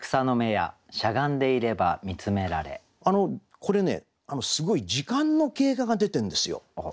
これねすごい時間の経過が出てるんですよ。